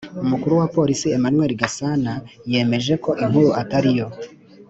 umukuru wa polisi emmanuel gasana yemeje ko inkuru ataiyo